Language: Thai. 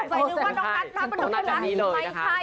ต้องใส่นึกว่าน้องนัทมันเป็นคนรักไม่ใช่นะคะ